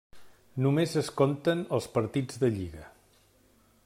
Només es compten els partits de Lliga.